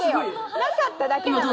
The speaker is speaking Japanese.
なかっただけなのよ。